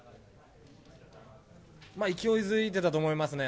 まあ、勢いづいてたと思いますね。